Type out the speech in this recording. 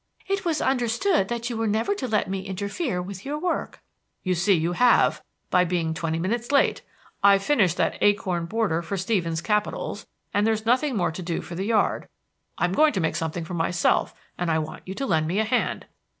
"It was understood that you were never to let me interfere with your work." "You see you have, by being twenty minutes late. I've finished that acorn border for Stevens's capitals, and there's nothing more to do for the yard. I am going to make something for myself, and I want you to lend me a hand."